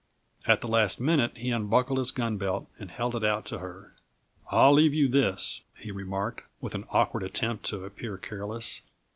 At the last minute he unbuckled his gun belt and held it out to her. "I'll leave you this," he remarked, with an awkward attempt to appear careless.